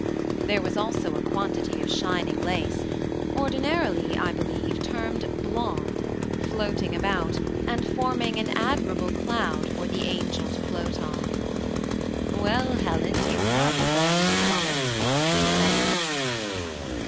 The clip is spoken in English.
There was also a quantity of shining lace, ordinarily, I believe, termed blonde, floating about, and forming an admirable cloud for the angel to float on. "Well, Helen, you have gone and done it," said Ernest.